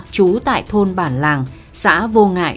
trú tại thôn bản làng xã vô ngại